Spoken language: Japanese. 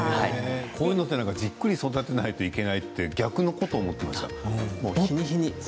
こういうのはじっくり育てないといけないと逆のこと思っていました。